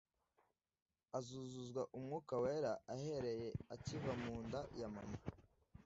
azuzuzwa Umwuka Wera ahereye akiva mu nda ya mama